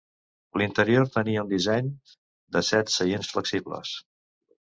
L"interior tenia un disseny de set seients flexibles.